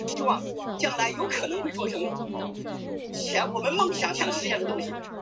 平井站总武本线的铁路车站。